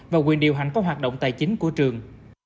và quyền điều hành các hoạt động tài chính của trường